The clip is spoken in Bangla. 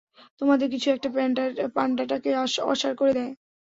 তোমাদের কিছু একটা, পান্ডাটাকে অসাড় করে দেয়।